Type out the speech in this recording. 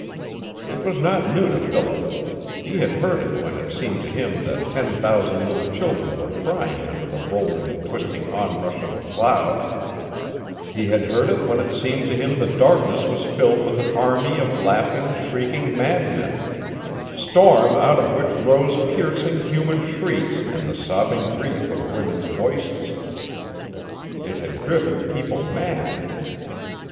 It was not new to Philip. He had heard it when it seemed to him that ten thousand little children were crying under the rolling and twisting onrush of the clouds; he had heard it when it seemed to him the darkness was filled with an army of laughing, shrieking madmen storm out of which rose piercing human shrieks and the sobbing grief of women's voices. It had driven people mad.